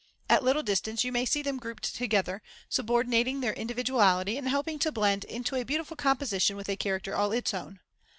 At little distance you may see them grouped together, subordinating their individuality and helping to blend into a beautiful composition with a character all its own.